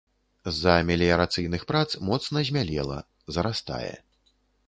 З-за меліярацыйных прац моцна змялела, зарастае.